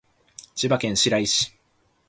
千葉県白井市